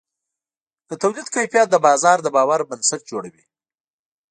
د تولید کیفیت د بازار د باور بنسټ جوړوي.